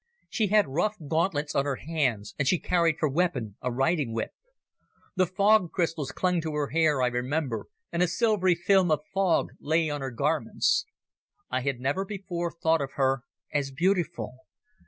She had rough gauntlets on her hands, and she carried for weapon a riding whip. The fog crystals clung to her hair, I remember, and a silvery film of fog lay on her garments. I had never before thought of her as beautiful.